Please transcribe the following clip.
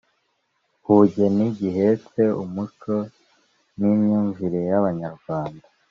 ubugeni gihetse, umuco n’imyumvire y’Abanyarwanda.